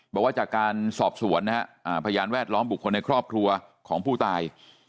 บอกว่าจากการสอบสวนนะฮะพยานแวดล้อมบุคคลในครอบครัวของผู้ตาย